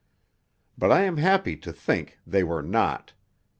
But I am happy to think they were not.